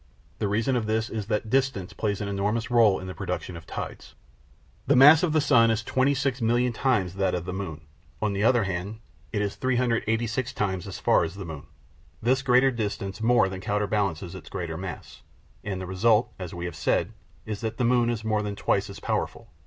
The reason of this is that distance plays an enormous rôle in the production of tides. The mass of the sun is 26,000,000 times that of the moon; on the other hand it is 386 times as far off as the moon. This greater distance more than counterbalances its greater mass, and the result, as we have said, is that the moon is more than twice as powerful.